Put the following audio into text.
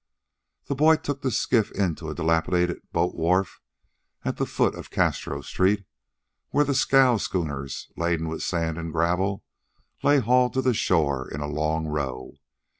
The boy took the skiff in to a dilapidated boat wharf at the foot of Castro street, where the scow schooners, laden with sand and gravel, lay hauled to the shore in a long row.